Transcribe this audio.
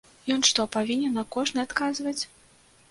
Ён што, павінен на кожны адказваць?